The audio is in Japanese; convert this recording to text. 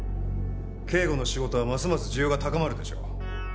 警護の仕事はますます需要が高まるでしょう。